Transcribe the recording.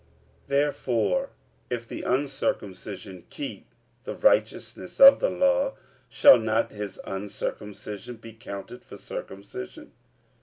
45:002:026 Therefore if the uncircumcision keep the righteousness of the law, shall not his uncircumcision be counted for circumcision?